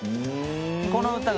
この歌が。